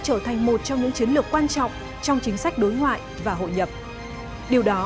trở thành một trong những chiến lược quan trọng trong chính sách đối ngoại và hội nhập điều đó